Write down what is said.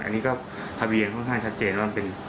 อันนี้ก็ทะเบียนค่อนข้างชัดเจนว่ามันเป็น